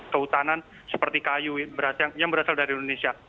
kehutanan seperti kayu yang berasal dari indonesia